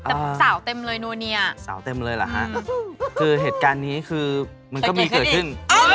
แต่สาวเต็มเลยนัวเนียสาวเต็มเลยเหรอฮะคือเหตุการณ์นี้คือมันก็มีเกิดขึ้น